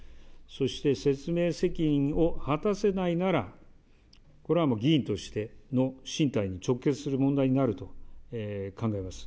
そして説明責任を果たせないならこれはもう議員としての進退に直結する問題になると考えます。